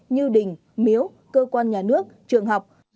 như đỉnh miếu cơ quan nhà nước trường học